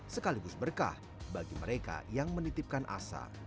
sekaligus berkah bagi mereka yang menitipkan asa